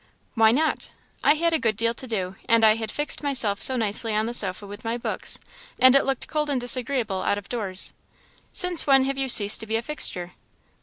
"Why not?" "I had a good deal to do, and I had fixed myself so nicely on the sofa with my books; and it looked cold and disagreeable out of doors." "Since when have you ceased to be a fixture?"